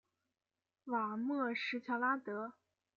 瓦莫什乔拉德。